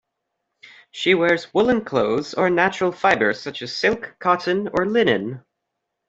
She wears woollen clothes or natural fibres such as silk, cotton or linen.